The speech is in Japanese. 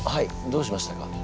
どうしましたか？